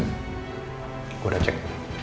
gue udah cek